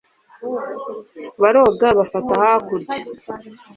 baroga bafata hakurya